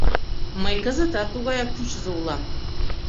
Мый кызытат тугаяк кӱчызӧ улам.